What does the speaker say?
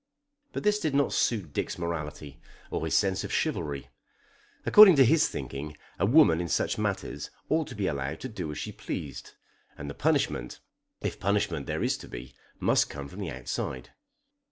But this did not suit Dick's morality or his sense of chivalry. According to his thinking a woman in such matters ought to be allowed to do as she pleased, and the punishment, if punishment there is to be, must come from the outside.